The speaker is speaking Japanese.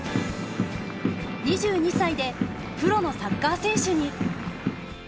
２２歳でプロのサッカー選手に。